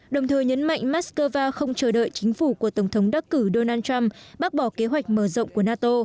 đồng thời nhấn mạnh moscow không chờ đợi chính phủ của tổng thống đắc cử donald trump bác bỏ kế hoạch mở rộng của nato